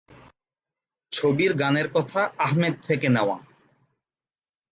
ছবির গানের কথা আহমেদ থেকে নেওয়া।